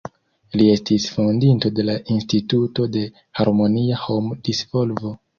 Li estis fondinto de la Instituto de Harmonia Hom-Disvolvo.